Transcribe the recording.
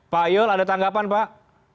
pak ayul ada tanggapan pak